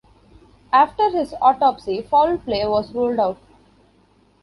After his autopsy, foul play was ruled out.